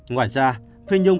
ngoài ra phi nhung